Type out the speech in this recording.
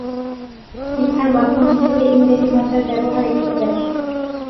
শিক্ষার মাধ্যম হিসাবে ইংরেজি ভাষার ব্যবহার এখানে ব্যাপক।